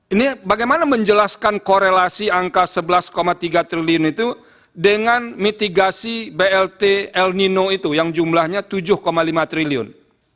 ini bagaimana menjelaskan korelasi angka sebelas tiga triliun itu dengan mitigasi blt el nino itu yang jumlahnya tujuh lima triliun